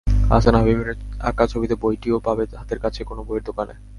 আহসান হাবীবের আঁকা ছবিতে বইটিও পাবে হাতের কাছের কোনো বইয়ের দোকানে।